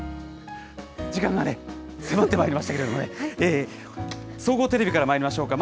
時間がね、迫ってまいりましたけれどもね、総合テレビからまいりましょうか。